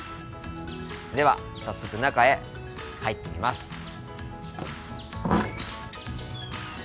では早速中へ入ってみます。